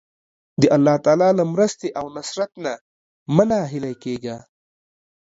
د الله تعالی له مرستې او نصرت نه مه ناهیلی کېږه.